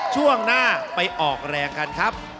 ช่วงหน้าไปออกแรงกันครับ